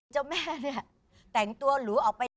เจ้าแม่เนี่ยแต่งตัวหรูออกไปได้